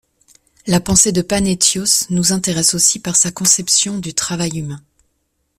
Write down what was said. La pensée de Panétios nous intéresse aussi par sa conception du travail humain.